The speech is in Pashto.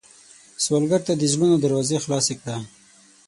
سوالګر ته د زړونو دروازې خلاصې کړه